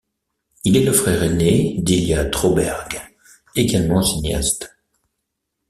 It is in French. Il est le frère aîné d’Ilya Trauberg, également cinéaste.